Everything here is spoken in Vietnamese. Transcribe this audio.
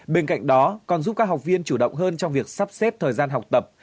bên cạnh đó còn giúp các học viên chủ động hơn trong việc sắp xếp thời gian học tập